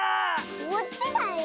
こっちだよ。